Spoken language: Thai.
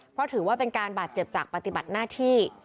เพราะถือว่าเป็นการบาดเจ็บจากปฏิบัติหน้าที่